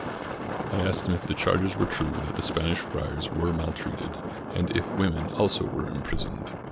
I asked him if the charges were true that the Spanish friars were maltreated, and if women, also, were imprisoned.